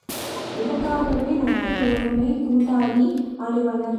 இதற்காகவே நட்பு தோழமை கூட்டாளி அலுவலர்!